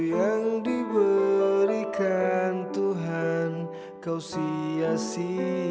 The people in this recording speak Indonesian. kalau main jangan jauh jauh